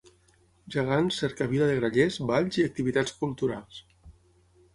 Gegants, cercavila de grallers, balls i activitats culturals.